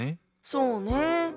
そうね。